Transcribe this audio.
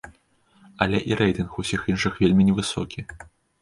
Але і рэйтынг усіх іншых вельмі невысокі.